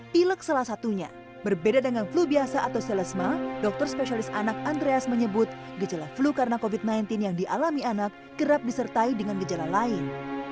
pilek salah satunya berbeda dengan flu biasa atau selesma dokter spesialis anak andreas menyebut gejala flu karena covid sembilan belas yang dialami anak kerap disertai dengan gejala lain